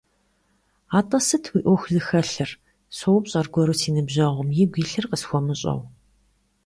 Атӏэ, сыт уи ӏуэху зыхэлъыр - соупщӏ аргуэру си ныбжьэгъум, игу илъыр къысхуэмыщӏэу.